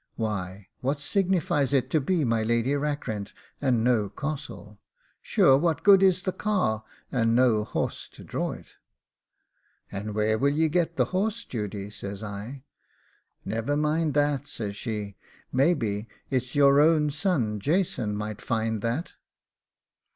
'Why, what signifies it to be my Lady Rackrent and no castle? Sure what good is the car, and no horse to draw it?' 'And where will ye get the horse, Judy?' says I. 'Never mind that,' says she; 'maybe it is your own son Jason might find that.